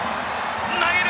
投げる。